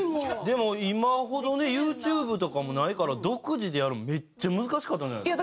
でも今ほどねＹｏｕＴｕｂｅとかもないから独自でやるのめっちゃ難しかったんじゃないですか？